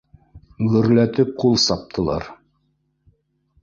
Гөрләтеп ҡул саптылар